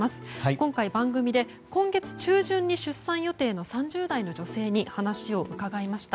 今回番組で今月中旬に出産予定の３０代の女性に話を伺いました。